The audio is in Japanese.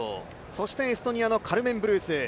そして、エストニアのカルメン・ブルース。